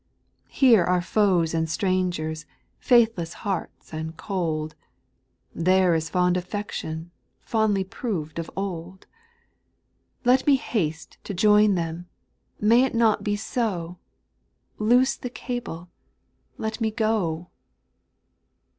Here are foes and strangers, faithless hearts and cold, There is fond affection, fondly proved of old 1 Let me haste to join them ! may it not be so ? Loose the cable, let me go